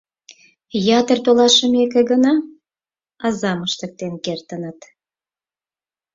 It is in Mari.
Ятыр толашымеке гына, азам ыштыктен кертыныт.